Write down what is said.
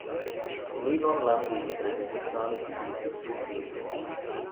Levon Lundy, einen texanischen Polizisten, spielte.